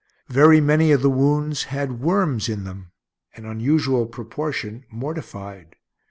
Very many of the wounds had worms in them. An unusual proportion mortified.